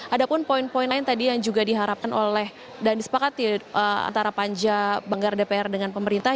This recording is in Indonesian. ada pun poin poin lain tadi yang juga diharapkan oleh dan disepakati antara panja banggar dpr dengan pemerintah